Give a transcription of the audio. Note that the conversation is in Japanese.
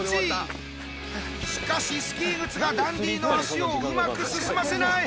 しかしスキー靴がダンディの足をうまく進ませない。